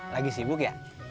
lagi sibuk ya